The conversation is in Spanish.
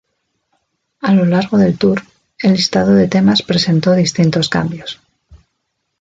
A lo largo del Tour, el listado de temas presentó distintos cambios.